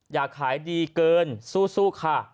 อยากขายดีเกินสู้ค่ะ